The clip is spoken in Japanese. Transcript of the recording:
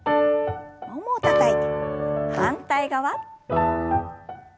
ももをたたいて反対側。